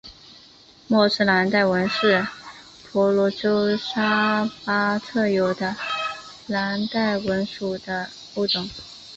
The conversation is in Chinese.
莫氏蓝带蚊是婆罗洲沙巴特有的的蓝带蚊属物种。